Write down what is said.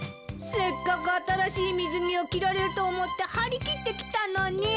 せっかく新しい水着を着られると思って張り切って来たのに。